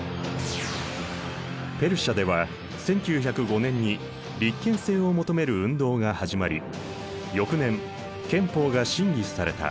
ペルシャでは１９０５年に立憲制を求める運動が始まり翌年憲法が審議された。